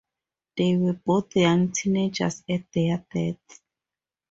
They were both young teenagers at their deaths.